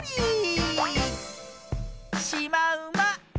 しまうま。